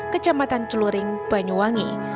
kecamatan celuring banyuwangi